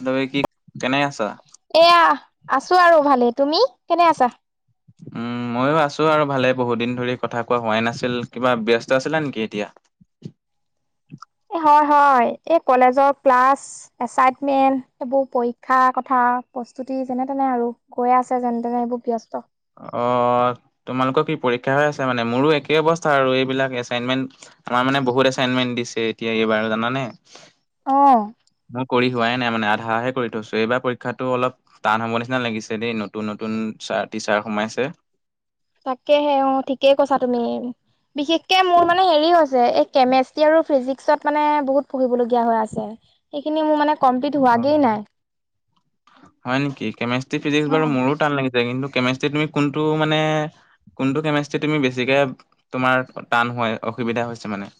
[unintelligible] কি কেনে আছা? এয়া আছো আৰু ভালে। তুমি কেনে আছা? উম ময়ো আছো আৰু ভালে। বহুত দিন ধৰি কথা কোৱা হোৱাই নাছিল, কিবা ব্যস্ত আছিলা নেকি এতিয়া? [unintelligible] হয় হয় এই কলেজৰ ক্লাছ, এচাইনমেন্ট, এইবোৰ পৰীক্ষা কথা প্ৰস্তুতি যেনে তেনে আৰু গৈয়ে আছে যেনে তেনে এইবোৰ ব্যস্ত অ তোমালোকৰ কি পৰীক্ষা হৈ আছে মানে মোৰো একেই অৱস্থা আৰু এইবিলাক এচাইনমেণ্ট আমাৰ মানে বহুত এছাইনমেণ্ট দিছে এতিয়া এইবাৰ জানে। আহ। থোৱাই নাই মানে, আধাহে কৰি থৈছো। এইবাৰ পৰীক্ষাতো অলপ টান হব নিচিনা লাগিছে দেই, নতুন-নতুন চাৰ টিচাৰ সোমাইছে তাকেহে অ ঠিকেই কৈছা তুমি। বিশেষকে মোৰ মানে হেৰি হৈছে, এই কেমেষ্ট্ৰি আৰু ফিজিক্সত মানে বহুত পঢ়িবলগীয়া হৈ আছে। সেইখিনি মোৰ মানে কমপ্লিট অ হোৱাগেই নাই। হয় নেকি। কেমেষ্ট্ৰি, ফিজিক্স অ বাৰু মোৰো টান লাগিছে কিন্তু কেমেষ্ট্ৰি তুমি কোনটো মানে কোনটো কেমেষ্ট্ৰিত তুমি বেছিকে তোমাৰ টান হয় অসুবিধা হৈছে মানে? [inaudible]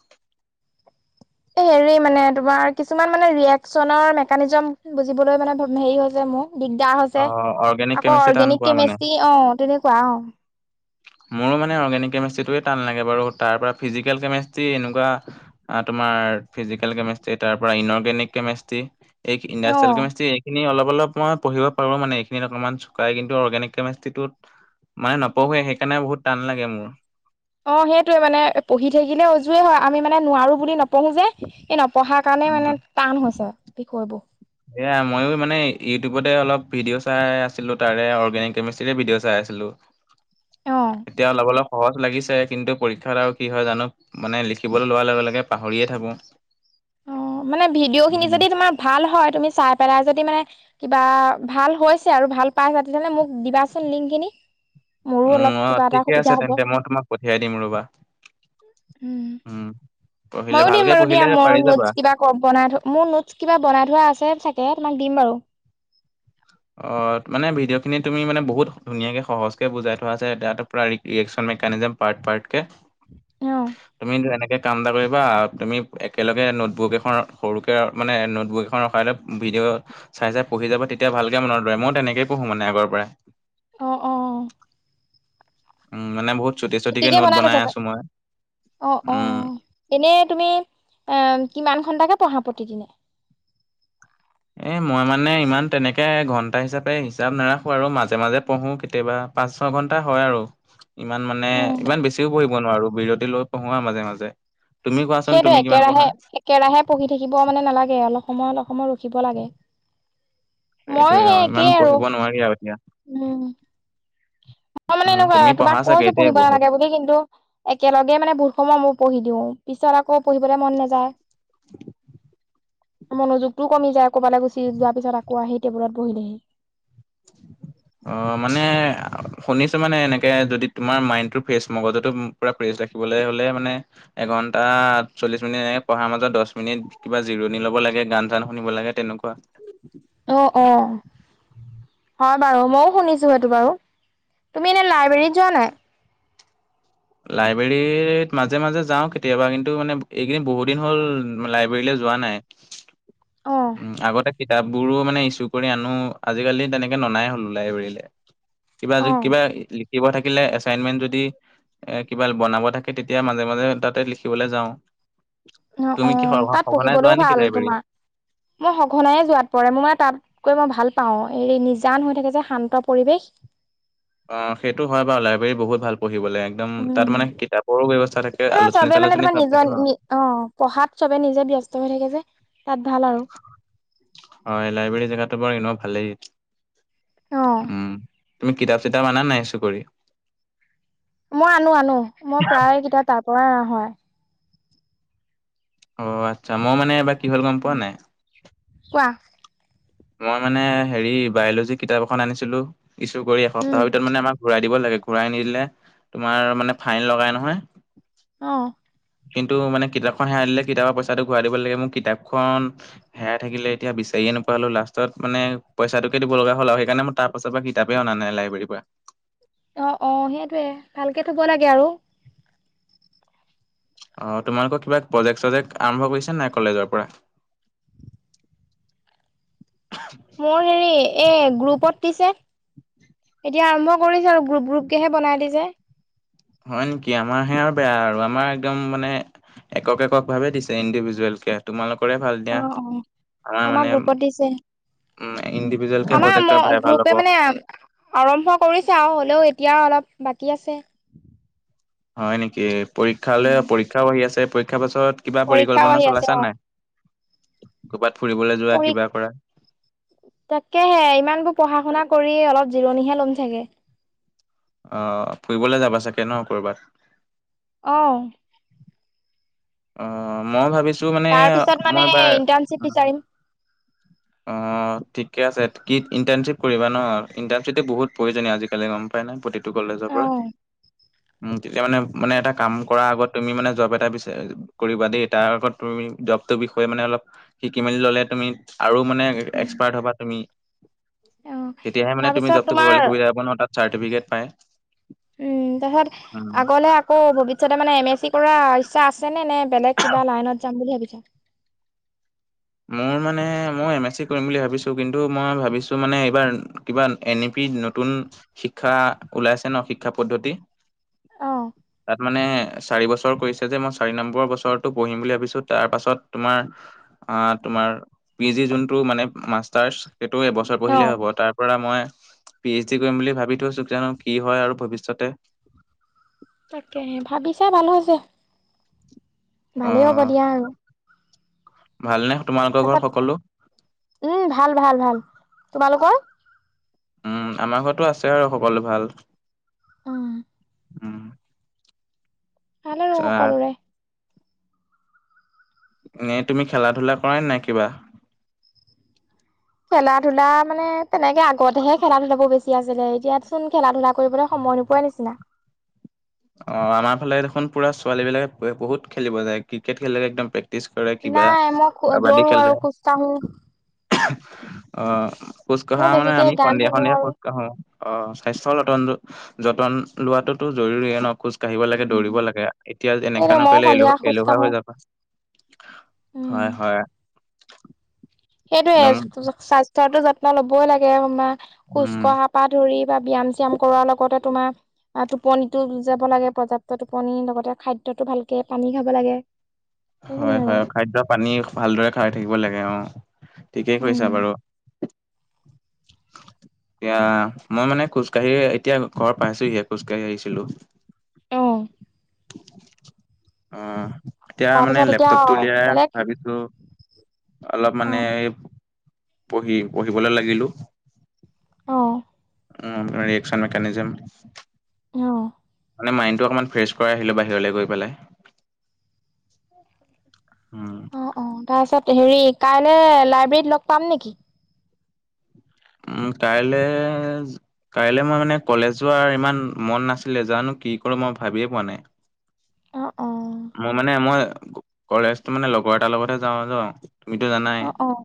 হেৰি মানে তোমাৰ কিছুমান মানে ৰিয়েকশ্যনৰ মেকানিজম বুজিবলৈ মানে হেৰি হৈ যায় মোৰ। দিগদাৰ হৈছে অ', অৰ্গেনিক আকৌ কেমিষ্ট্ৰি টান অৰ্গেনিক পোৱা মানে? কেমেষ্ট্ৰি অহ তেনেকুৱা অহ। [unintelligible] মোৰো মানে অৰ্গেনিক কেমেষ্ট্ৰিটোৱে টান লাগে বাৰু তাৰপৰা ফিজিকেল কেমেষ্ট্ৰি এনেকুৱা তোমাৰ ফিজিকেল কেমেষ্ট্ৰী তাৰপৰা ইনৰ্গেনিক কেমেষ্ট্ৰী, ইণ্ডষ্টেল কেমেষ্ট্ৰী এইখিনি অলপ অলপ মই পঢ়িব পাৰোঁ মান এইখিনিত অকণমান চুকাই, কিন্তু অৰ্গেনিক কেমেষ্ট্ৰিটোত মানে নপ নপঢ়োৱে সেইকাৰণে বহুত টান লাগে মোৰ। অহ, সেইটোৱে মানে পঢ়ি থাকিলে উজুৱে হয়, আমি মানে নোৱাৰো বুলি নপঢ়ো যে, এই নপ নপঢ়াৰ কাৰণে উম, মানে টান হৈছে বিষয়বোৰ। সেয়া ময়ো মানে ইউটিউবতে অলপ ভিডিঅ' চাই আছিলোঁ। তাৰে অৰ্গেনিক কেমিষ্ট্ৰিৰে ভিডিঅ' চাই আছোঁ। আছিলোঁ। অ এতিয়া অলপ-অলপ সহজ লাগিছে। কিন্তু পৰীক্ষাত আৰু কি হয় জানোঁ মানে লিখিবলৈ লোৱাৰ লগে লগে পাহৰিয়ে থাকোঁ। অহ, মানে ভিডিঅ'খিনি যদি তোমাৰ ভাল হয় তুমি চাই পেলাই যদি মানে কিবা ভাল হৈছে আৰু ভাল পাইছা, তেতিয়াহলে মোক দিবাচোন লিংকখিনি। উম অহ, ঠিকে আছে তেন্তে মই তোমাক পঠিয়াই দিম ৰবা। উম, পঢ়িলে ময়ো দিম ভালকে বাৰু দিয়া পঢ়িলে মোৰ পাৰি যাবা। নোটছ কিবা কব বনাই থোৱা, মোৰ নোটচ কিবা বনাই থোৱা আছে চাগে তোমাক দিম বাৰু। অহ, মানে ভিডিঅ'খিনি তুমিানে বহুত ধুনীয়াকে সহজকে বুজাই থোৱা আছে, এতিয়াতো ৰিয়েকচন সেইকাৰণে যে পাৰ্ট পাৰ্টকে, অ তুমি এনেকে কাম এটা কৰিবা তুমি একেলগে নোটবোক এখন সৰুকে মানে নোটবোৰ এখন ৰখায়লৈ ভিডিঅ' চাই চাই পঢ়ি যাব তেতিয়া ভালকে মনত ৰয়, মই তেনেকে পঢ়ো মানে আগৰ পৰাই। অ অ উম, মানে বহুত চুটি চুটিকে ছুটিকে নোট লৈছা বনাই আছোঁ মই। অ', উম। অ'। এনেই তুমি অহ কিমান ঘন্টাকে পঢ়া। প্ৰতিদিনে। এ মই মানে ইমান তেনেকে ঘন্টা হিচাপে হিচাপ নাৰাখো আৰু মাজে মাজে পঢ়োঁ কেতিয়াবা। পাঁচ ছয় ঘণ্টা হয় আৰু। ইমান মানে, ইমান বেছিও পঢ়িব নোৱাৰোঁ বিৰতি লৈ পঢ়ো আহ মাজে-মাজে। সেইটো একেৰাহে, একেৰাহে পঢ়ি থাকিব মানে নালাগে অলপ সময়ত সময়ত উঠিব লাগে। সেইটোয়ে মইয়ো সেই ইমান একেই আৰু পঢ়িব নোৱাৰি আৰু এতিয়া উম। মই মানে উম এনেকুৱা তুমি পঢ়া তোমাক চাগে কৈছোঁ এতিয়াই পঢ়িব বহুত নালাগে বুলি কিন্তু একেলগে মানে বহুত সময় মোৰ পঢ়ি দিওঁ, পিছত আকৌ পঢ়িবলৈ মন নাযায়। মনোযোগতটো কমি যায় ক'ৰবালৈ গুচি যোৱা পিছত আকৌ আহি টেবুলত বহি দিওঁ। [unintelligible] অহ, মানে শুনিছোঁ মানে এনেকে যদি তোমাৰ মাইণ্ডটো ফ্ৰেছ মগজতো পুৰা ফ্ৰেছ ৰাখি ৰাখিবলৈ হ'লে মানে এঘন্টা চল্লিশ মিনি এ পঢ়াৰ মাজত দহ মিনিট কিবা জিৰণ ল'ব লাগে। লাগে, গান চান শুনিব লাগে তেনেকুৱা। অহ', অহ'। হয় বাৰু মইও শুনিছোঁ সেইটো বাৰু। তুমি এনে লাইব্ৰেৰীত যোৱা নাই। লাইব্ৰেৰীত মাজে-মাজে যাওঁ কেতিয়াবা কিন্তু মানে এইকেদিনি বহুত দিন হ'ল লাইব্ৰেৰীলৈ যোৱা নাই অ', উম, আগতে কিতাপবোৰো মানে ইচু কৰি আনো, আজিকালি তেনেকে ননাই হ'লো লাইব্ৰেৰীলে। কিবা যদি অ', কিবা লিখিব থাকিলে এচাইনমেন্ট যদি এ কিবা বনাব থাকে তেতিয়া মাজে-মাজে তাতে লিখিবলৈ যাওঁ। অহ', তুমি কি অহ'। সঘ- তাত সঘনাই যোৱা পঢ়িবলৈও নেকি ভাল লাইব্ৰেৰী? তোমাৰ। মই সঘনাইে যোৱাত পৰে, মোৰ মানে তাত গৈ মই ভাল পাওঁ। হেৰি নিজান হৈ থাকে যে, শান্ত পৰিৱেশ। অহ, সেইটো হয় বাৰু লাইব্ৰেৰীত বহুত ভাল পঢ়ি পঢ়িভলে একদম তাত উম। মানে কিতাপৰো ব্যৱস্থা থাকে, এ আলোচনী চবে মানে চালোচনী তোমাৰ চব নিজৰ থাকে ন। অ পঢ়াত চবে নিজে ব্যস্ত হৈ থাকে যে। তাত ভাল আৰু হয়, লাইব্ৰেৰী জেগাটো বাৰু ইনেও ভালেই। অ উম, তুমি কিতাপ-চিতাপ আনা নাই ইছো কৰি? মই আনো আনো মই প্ৰায় কিতাপ তাৰ পৰাই অনা হয়। অ আচ্ছা মই মানে এইবাৰ কি হ'ল গম পোৱা নাই? কোৱা। মই মানে হেৰি বায়লজি কিতাপ এখন আনিছিলো ইছু কৰি উম এসপ্তাহৰ ভিতৰত মানে আমাৰ ঘূৰাই দিব লাগে ঘূৰাই নিদিলে তোমাৰ মানে ফাইন লগাই নহয়। অ। কিন্তু মানে কিতাপখন হেৰাই দিলে কিতাপৰ পইচাটো ঘূৰা দিব লাগে মোৰ কিতাপখন হেৰাই থাকিলে এতিয়া বিচাৰিয়ে না পালো, লাষ্টত মানে পইচাটোকে দিব লগা হ'ল আৰু সেইকাৰণে মই তাৰ পাছৰ পৰা কিতাপেই অনা নাই লাইব্ৰেৰীৰ পৰা। অ অ সেইটোয়ে ভালকে থব লাগে আৰু। অ তোমালোকৰ কিবা প্ৰজেক্ট-চজেক্ট আৰম্ভ কৰিছা নাই কলেজৰ পৰা? [inaudible] মোৰ হেৰি এই গ্ৰুপত দিছে। এতিয়া আৰম্ভ কৰিছো আৰু গ্ৰুপ গ্ৰুপকেহে বনাই দিছে। হয় নিকি? আমাৰ হে আৰু বেয়া আৰু আমাৰ একদম মানে একক একক ভাৱে দিছে ইণ্ডিভিজুৱেল কে তোমালোকৰে ভাল অ দিয়া অ। আমাৰ আমাৰ মানে গ্ৰুপত দিছে। ইণ্ডিভিজুৱেল কে আমাৰ ম প্ৰজেক্টৰ ভাল হ'ব গ্ৰুপে মানে আৰম্ভ কৰিছে আৰু হ'লেও এতিয়া অলপ বাকী আছে। হয় নিকি পৰীক্ষালে পৰীক্ষাও আহি আছে পৰীক্ষাৰ পাছত কিবা পৰীক্ষাও পৰিকল্পনা আহি আছে চলাইছা অ নাই? ক'বাত পৰী তাকেহে ইমানবোৰ পঢ়া-শুনা কৰি অলপ জিৰণিহে ল'ম চাগে। অ ফুৰিবলে যাবা চাগে ন ক'ৰবাত? অ। অ মই ভাবিছো মানে তাৰ পিছত মানে মই এবাৰ ইন্টাৰ্ণশ্বিপ বিচাৰিম অ ঠিকে আছে কি ইণ্টাৰ্ণশ্বিপ কৰিবা ন ইণ্টাৰ্শিপটো বহুত প্ৰয়জনীয় আজিকালি গম পাই নে প্ৰ কলেজৰ অ পৰা তেতিয়া মানে মানে এটা কাম কৰাৰ আগত তুমি মানে জব এটা বিচ কৰিবা দেই তাৰ আগত তুমি জবটোৰ বিষয়ে মানে অলপ শিকি মেলি ল'লে তুমি আৰু মানে এক্সপাৰ্ট হ'বা তুমি অ তেতিয়াহে মানে তুমি তাৰপিছত জবটো তোমাৰ কৰিবলৈ সুবিধা হ'ব ন তাত। চাৰ্টিফিকেট পাই। উম তাৰপিছত আগলে আকৌ ভৱিষ্যতে মানে এম এছ চি কৰাৰ ইচ্ছা আছে নে নে বেলেগ কিবা লাইনত যাম বুলি ভাবিছা? মোৰ মানে মই এম এছ চি কৰিম বুলি ভাবিছো কিন্তু মই ভাবিছো মানে এইবাৰ কিবা এন ই পি নতুন শিক্ষা ওলাইছে ন শিক্ষা পদ্ধতি অ তাত মানে চাৰি বছৰ কৰিছে যে মই চাৰি নম্বৰ বছৰটো পঢ়িম বুলি ভাবিছো তাৰ পাছত তোমাৰ তোমাৰ পি জি যোনটো মানে মাষ্টাৰ্ছ সেইটো এবছৰ অ পঢ়িলেই হ'ব তাৰপৰা মই পি এইচ ডি কৰিম বুলি ভাবি থৈছো জানো কি হয় আৰু ভৱিষ্যতে। তাকেহে ভাবিছা ভাল হৈছে। ভালেই হ'ব দিয়া আৰু। ভাল নে? উম ভাল ভাল ভাল। তোমালোকৰ? উম আমাৰ ঘৰতো আছে আৰু সকলো ভাল। উম। উম। ভাল আৰু সকলোৰে। এনেই তুমি খেলা-ধূলা কৰা নাই কিবা? [inaudible] খেলা-ধূলা মানে তেনেকে আগতেহে খেলা- ধূলাবোৰ বেছি আছিলে এতিয়া চোন খেলা-ধূলা কৰিবলৈ সময় সময় নোপোৱাৰ নিচিনা। [inaudible] অ', আমাৰ ফালে দেখোন পুৰা ছোৱালী বিলাকে বহুত খেলিব যায় ক্ৰিকেট খেলিলে একদম প্ৰে প্ৰেটিচ কৰে কিবা নাই মই কাবাডী দৌৰো আৰু খেলে খোজ কাঢ়ো অ', খোজ কঢ়া মোৰ মানে বেছিকে আমি গান সন্ধিয়া শুনো সন্ধিয়া আৰু। খোজ কাঢ়ো। অ', স্বাস্থ্য যতন' যতন লোৱাটোতো জৰুৰী ন খোজ কাঢ়িব লাগে দৌৰিব লাগে এতিয়া এনেকা সেইটো ময়ো নকৰিলে এ সন্ধিয়া খোজ এলোহা কাঢ়ো হৈ যাম। উম, হয়, হয়। সেইটোয়ে একদম স্বাস্থ্যৰতো যত্ন লবই লাগে কোনবা খোজ উম কঢ়া পা ধৰি বা ব্যায়াম চিয়াম কৰাৰ লগতে তোমাৰ টোপনি টো যাব লাগে পৰ্যাপ্ত টোপনি লগতে খাদ্যতটো ভালকে পানী খাব লাগে। সেইখিনি হয়, আৰু হয় খাদ্যয় পানী ভালদৰে খাই থাকিব লাগে অ'। ঠিকেই কৈছা উম। বাৰু। [inaudible] এতিয়া মই মানে খোজকাঢ়ি এতিয়া ঘৰ পাইছোহিয়ে খোজকাঢ়ি আহিছিলোঁ। অহ। অহ, এতিয়া মানে তাৰপিছত এতিয়া লেপটপটো উলিয়াই বেলেগ ভাবিছোঁ অলপ মানে অ', পঢ়ি পঢ়িবলে লাগিলো। অ', উ ইক্ৰন মেকানিজম উম। মানে মাইণ্ড টো অকণমান ফ্ৰেছ কৰা আহিলো বাহিৰলৈ গৈ পেলাই। উম, অ', অ', তাৰপিছত হেৰি কাইলে লাইব্ৰেৰীত লগ পাম নেকি? উম, কাইলে কাইলে মই মানে কলেজ যোৱাৰ ইমান মন নাছিলে জানো কি কৰো মই ভাবিয়ে পোৱা নাই। অ', অ', মোৰ মানে মই কলেজটো মানে লগৰ এটাৰ লগতহে যাওঁ য তুমিতো জানাই অ', অ',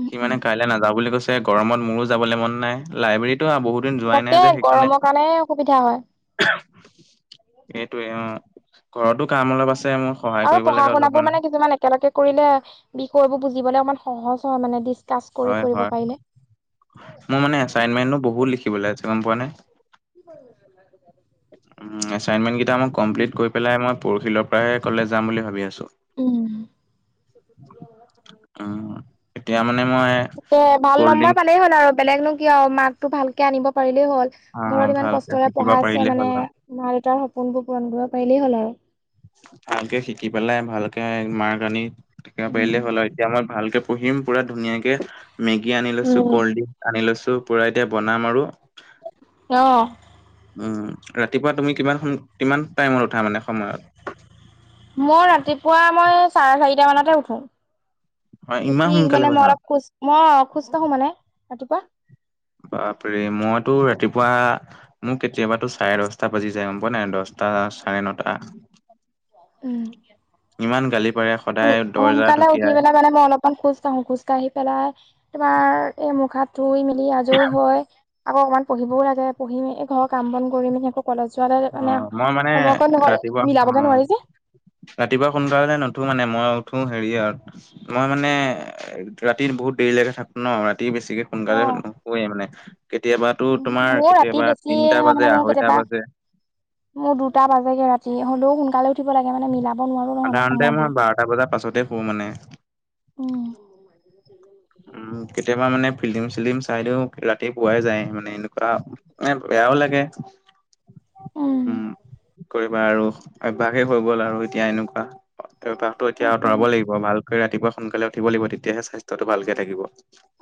উম, সি মানে উম, কাইলৈ নাযাওঁ বুলি কৈছে গৰমত মোৰো যাবলৈ মন নাই লাইব্ৰেৰীত বহুত দিন যোৱাই নাই তাকে যে সেইকাৰণে গৰমৰ কাৰণে অসুবিধা হয় এইেইটোৱ অহ। আৰু পঢ়া লাগে শুনা অলপ বোৰ মানে কিছুমান একেলগে কৰিলে বিষয়বোৰ বুজিবলে অকমান সহজ হয় মানে দি হয়, হয় মোৰ মানে এছাইনমেণ্টো বহুত লিখিবলৈ গম পোৱা নে? কি কৰিব। এছানমেণ্টকেইটা মই কমপ্লিট কৰি পেলাই ম ই পৰিখিইলৈ কলেজ যাম ভাবি আছোঁ। উম। উম, এতিয়া মানে মই তাকে ভাল কল্ড ড্ৰিংক নম্বৰ পালেই হ'ল আৰু। বেলেগ নো কি আৰু মাৰ্কটো ভালকে আনিব পাৰিম হ'ল অ' ঘৰত ইমান ভালকে কষ্টৰে শিকিব পঢ়া আছে পাৰিলে মানে হ'ল আৰু। মা দেউতাৰ সপোনবোৰ পূৰণ কৰ পাৰিলেই হ'ল আৰু। ভালকে শিকি পেলাই ভালকে মাৰ্ক আনি শিকিব উম। পাৰিলেই হ'ল আৰু এতিয়া মই ভালকে পুহিম পুৰা ধুনীয়াকে মেগি আনি লৈছো উম, কল্ড ড্ৰিংক আনি লৈছো পুৰা এতিয়া বনাম আৰু অহ। উম, ৰাতিপুৱা তুমি কিমান কিমান টাইমত উঠা মানে সময়ত। মই ৰাতিপুৱা মই চাৰে চাৰিটা মানতে উঠো, হয়, ইমান উঠি সোনকালে মানে মই উঠা? অলপ খোজ ম সুস্থ মানে ৰাতিপুৱা বাপৰে মইতো ৰাতিপুৱা মোক কেতিয়াবাতো চাৰে দশটা বাজি যাই গম পোৱা নাই দচ আহ চাৰে নটা। উম। ইমান গালি পাৰে সদায় দৰ্জা সোনকালে উঠি ঢকিয়াই পেলাই মানে মই অলপমান খোজ কাঢ়ো খোজ কাঢ়ি পেলাই তোমাৰ এই মুখ হাত ধুই মেলি আজৰি হৈ আকৌ অকমান পঢ়িবও লাগে পঢ়ি ম ঘৰৰ কাম বন কৰি মেলি আকৌ কলেজ যোৱালে অ মানে মই মানে সময়কণ ৰাতিপুৱা অ মিলাব গৈ নোৱাৰি যে। ৰাতিপুৱা সোনকালে নুঠো মানে। মই উঠো হেৰিয়ত আৰু মই মানে ৰাতি বহুত দেৰিলৈকে থাকো ন। তি বেছিকে অ সোনকালে নুশুৱে মানে। কেতিয়াবাতো তোমাৰ মোৰ ৰাতি কেতিয়াবা বেছি তিনটা নহয় মানে বাজে মোৰ আঢ়ৈটা কেতিয়াবা বাজে। মোৰ দুটা বাজে গে ৰাতি হ'লেও সোনকালে উ উঠিব লাগে মানে উঠিব নোৱাৰো নহ'লে সাধাৰণতে মই সময়বোৰ। বাৰটা বজাৰ পাছতে শু মানে উম। উম, কেতিয়া তাৰ মানে ফিল্ডিম চিল্ডিম চাই দিওঁ ৰাতি পুৱাই যায় মানে এনেকুৱা, মানে বেয়াও লাগে। উম, কি কৰিবা আৰু। অভ্যাসে হৈ গ'ল আৰু এতিয়া এনেকুৱা অভ্যয়াসটো এতিয়া সেইটোৱে আঁতৰাব লাগিব৷ ভাল ৰাতিপুৱা সোনকালে উঠিব লাগিব তেতিয়াহে স্বাস্থ্যটো ভালকে থাকিব।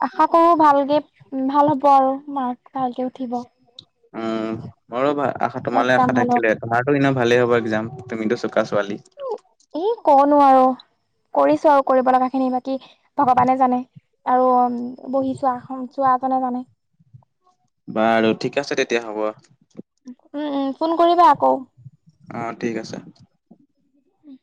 আশা কৰো ভালকে ভাল হ'ব আৰু মাক ভালকে উঠিব। উম, মোৰো আশা তোমালৈ এক্জাম আশা ভাল থাকিলে তোমাৰো এনে ভালেই হ'ব একজাম। তুমিতো চোকা ছোৱালী। [unintelligible] ক' নোৱাৰো কৰি চাওঁ আৰু কৰিব লগাখিনি কি ভগৱানে জানে আৰু বহি চোৱা চোৱা জনে জানে। বাৰু ঠিক আছে তেতিয়া হ'ব। উম উম ফোন কৰিবা আকৌ। অ', ঠিক আছে। উম।